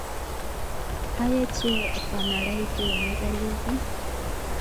آیا چې په نړۍ کې نه ځلیږي؟